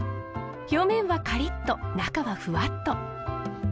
表面はカリッと中はフワッと。